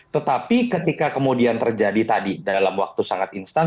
tetapi ketika kemudian terjadi tadi dalam waktu sangat instan